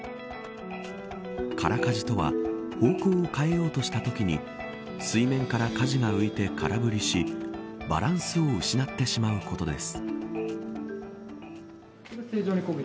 空かじとは方向を変えようとしたときに水面から、かじが浮いて空振りしバランスを失ってしまうことです。